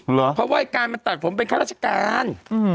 เหรอเพราะว่าไอ้ก้านมันตัดโผล่มเป็นข้าราชการ